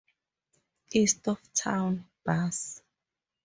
East of town, Bus.